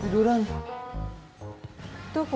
ini udah enak